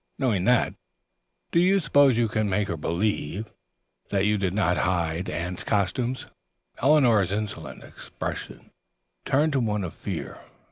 Knowing that, do you suppose you can make her believe that you did not hide Anne's costumes?" Eleanor's insolent expression turned to one of fear.